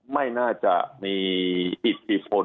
ไม่น่าจะมีอิทธิพล